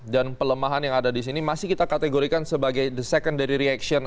dan pelembahannya yang ada di sini masih kita kategorikan sebagai the secondary reaction